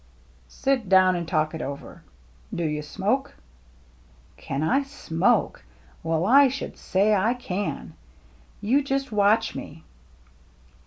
"Sit down, and talk it over. Do you smoke ?"" Can I smoke ? Well, I should say I can. You just watch me."